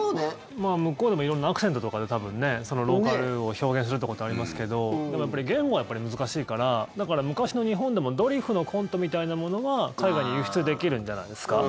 向こうでも色んなアクセントとかでローカルを表現するということはありますけどやっぱり言語は難しいからだから昔の日本でもドリフのコントみたいなものは海外に輸出できるんじゃないですか。